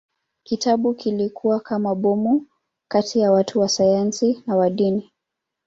Kitabu kilikuwa kama bomu kati ya watu wa sayansi na wa dini.